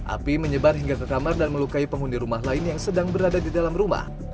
api menyebar hingga ke kamar dan melukai penghuni rumah lain yang sedang berada di dalam rumah